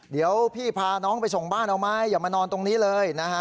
เดี๋ยวพี่พาน้องไปส่งบ้านเอาไหมอย่ามานอนตรงนี้เลยนะฮะ